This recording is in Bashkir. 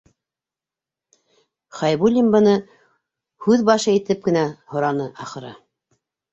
Хәйбуллин быны һүҙ башы итеп кенә һораны, ахры.